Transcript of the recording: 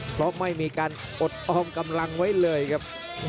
เพราะไม่มีการอดออมกำลังไว้เลยครับ